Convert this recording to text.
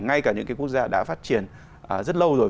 ngay cả những cái quốc gia đã phát triển rất lâu rồi